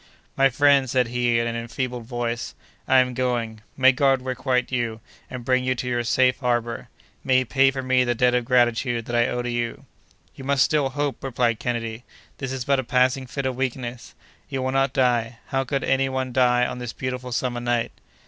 "My friends," said he, in an enfeebled voice, "I am going. May God requite you, and bring you to your safe harbor! May he pay for me the debt of gratitude that I owe to you!" "You must still hope," replied Kennedy. "This is but a passing fit of weakness. You will not die. How could any one die on this beautiful summer night?"